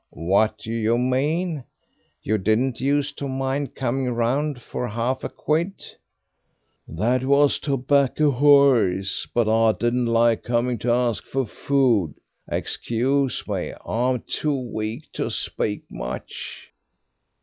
What do you mean? You didn't use to mind coming round for half a quid." "That was to back a horse; but I didn't like coming to ask for food excuse me, I'm too weak to speak much."